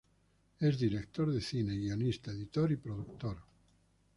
Es Director de cine, guionista, editor y productor.